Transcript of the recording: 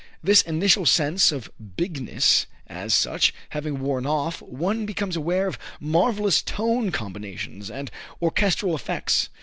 This initial sense of "bigness," as such, having worn off, one becomes aware of marvellous tone combinations and orchestral effects.